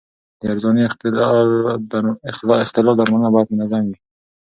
د رواني اختلال درملنه باید منظم وي.